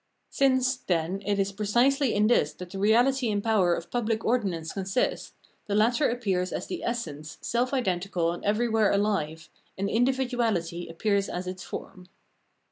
Since, then, it is precisely in this that the reality and power of pubHc ordinance consist, the latter appears as the essence, self identical and everywhere alive, and individuality appears as its form.